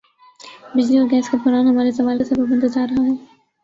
بجلی اور گیس کا بحران ہمارے زوال کا سبب بنتا جا رہا ہے